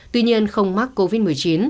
tuy nhiên không mắc covid một mươi chín